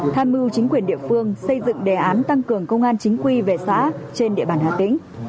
tham mưu chính quyền địa phương xây dựng đề án tăng cường công an chính quy về xã trên địa bàn hà tĩnh